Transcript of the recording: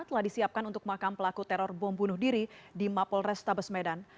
telah disiapkan untuk makam pelaku teror bom bunuh diri di mapol restabes medan